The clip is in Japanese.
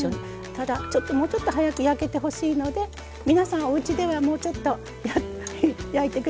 ただちょっともうちょっと早く焼けてほしいので皆さんおうちではもうちょっと焼いて下さいよ。